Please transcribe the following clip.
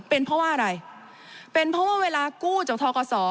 เป็นเพราะว่าอะไรเป็นเพราะว่าเวลากู้จากทกศ